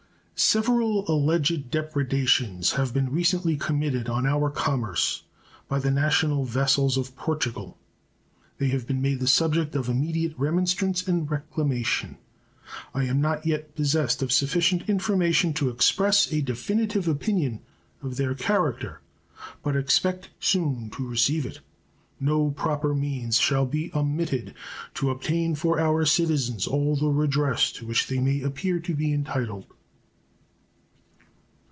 Several alleged depredations have been recently committed on our commerce by the national vessels of Portugal. They have been made the subject of immediate remonstrance and reclamation. I am not yet possessed of sufficient information to express a definitive opinion of their character, but expect soon to receive it. No proper means shall be omitted to obtain for our citizens all the redress to which they may appear to be entitled.